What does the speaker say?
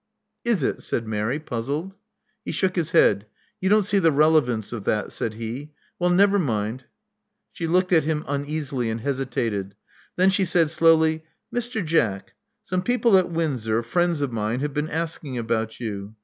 *'Isit?" said Mary, puzzled. He shook his head. You don't see the relevance of that, •' said he. Well, never mind. '' She looked at him uneasily, and hesitated. Then she said slowly, Mr. Jack: some people at Windsor, friends of mine, have been asking about you.